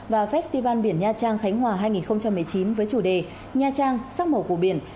và festival biển nha trang khánh hòa hai nghìn một mươi chín với chủ đề nha trang sắc màu của biển